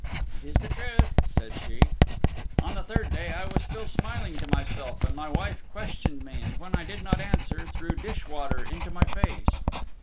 "It is the truth," said she. "On the third day I was still smiling to myself, and my wife questioned me, and when I did not answer threw dish water into my face.